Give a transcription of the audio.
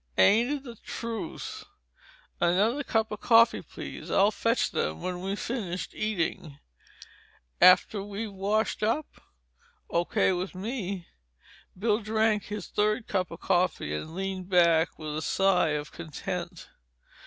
"Ain't it the truth! Another cup of coffee, please. I'll fetch them when we've finished eating." "After we've washed up?" "O.K. with me." Bill drank his third cup of coffee and leaned back with a sigh of content.